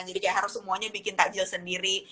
jadi kayak harus semuanya bikin takjil sendiri